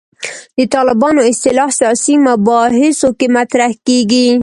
د طالبانو اصطلاح سیاسي مباحثو کې مطرح کېږي.